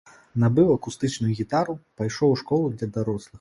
Набыў акустычную гітару, пайшоў у школу для дарослых.